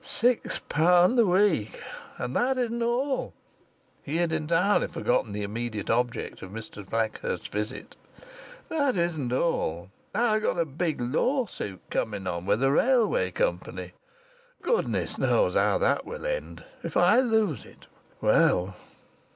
Six pound a week! And that isn't all" he had entirely forgotten the immediate object of Mr Blackhurst's visit "that isn't all. I've got a big lawsuit coming on with the railway company. Goodness knows how that will end! If I lose it ... well!"